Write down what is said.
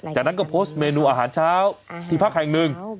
จากนั้นก็โพสต์เมนูอาหารเช้าที่พักแห่งหนึ่ง